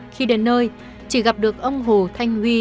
khi đến nơi chị gặp được ông hồ thanh huy